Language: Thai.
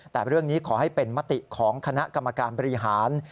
แต่เรื่องนี้ขอให้เป็นมติของคณะกรรมการบริหาร